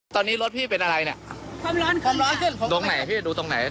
ตอนนี้รถพี่เป็นอะไรเนี่ยความร้อนความร้อนขึ้นผมตรงไหนพี่ดูตรงไหน